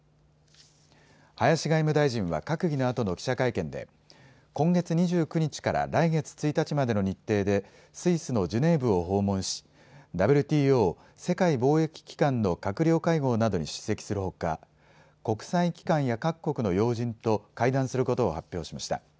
林外務大臣は閣議のあとの記者会見で今月２９日から来月１日までの日程でスイスのジュネーブを訪問しＷＴＯ・世界貿易機関の閣僚会合などに出席するほか国際機関や各国の要人と会談することを発表しました。